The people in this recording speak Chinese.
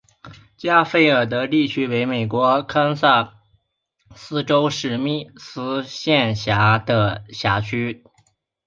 加菲尔德镇区为美国堪萨斯州史密斯县辖下的镇区。